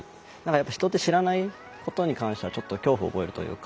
人って知らないことに関してはちょっと恐怖を覚えるというか。